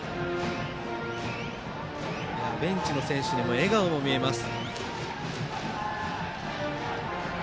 ベンチの選手にも笑顔が見えます。